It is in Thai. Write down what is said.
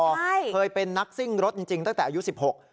ใช่เคยเป็นนักซิ่งรถจริงจริงตั้งแต่อายุสิบหก